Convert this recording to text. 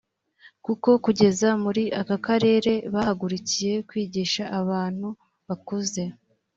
kuko kugeza muri aka karere bahagurukiye kwigisha abantu bakuze